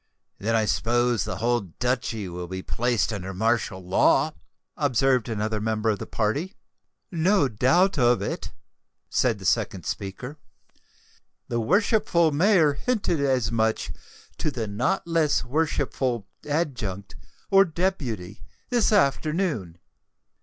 "Then I suppose the whole Duchy will be placed under martial law?" observed another member of the party. "No doubt of it," said the second speaker. "The worshipful mayor hinted as much to the not less worshipful adjunct, or deputy, this afternoon."